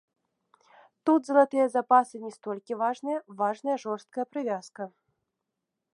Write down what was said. Тут залатыя запасы не столькі важныя, важная жорсткая прывязка.